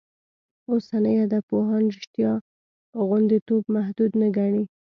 اوسني ادبپوهان رشتیا غوندېتوب محدود نه ګڼي.